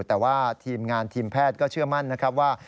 แต่ว่าทีมงานทีมแพทย์ก็เชื่อมั่นนะครับว่า